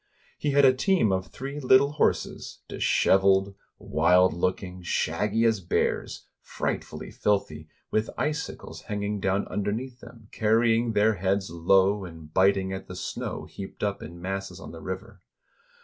He had a team of three little horses, disheveled, wild looking, shaggy as bears, frightfully filthy, with icicles hanging down underneath them, car rying their heads low, and biting at the snow heaped up in masses on the river.